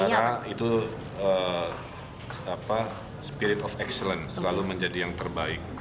karena itu spirit of excellence selalu menjadi yang terbaik